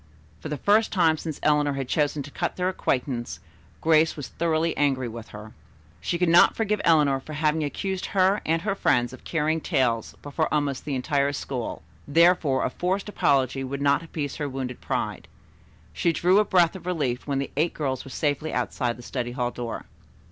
For the first time since Eleanor had chosen to cut their acquaintance Grace was thoroughly angry with her. She could not forgive Eleanor for having accused her and her friends of carrying tales before almost the entire school; therefore a forced apology would not appease her wounded pride. She drew a breath of relief when the eight girls were safely outside the study hall door.